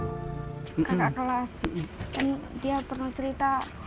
kakak kelas kan dia pernah cerita